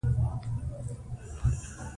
ولایتونه د ټولو هیوادوالو لپاره لوی ویاړ دی.